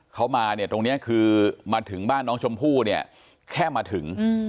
เขามาเนี่ยตรงนี้คือมาถึงบ้านน้องชมพู่เนี่ยแค่มาถึง